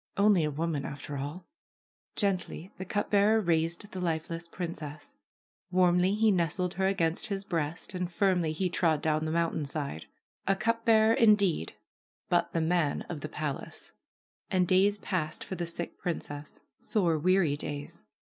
Only a woman, after all ! Gently the cup bearer raised the lifeless princess. Warmly he nestled her against his breast and firmly he trod down the mountainside. A cup bearer, indeed, but the man of the palace I And days passed for the sick princess, sore, weary days.